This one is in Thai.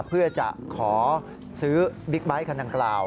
เพื่อจะขอซื้อบิ๊กไบท์คันดังกล่าว